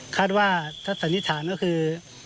คาดว่าถ้าสันนิษฐานก็คือ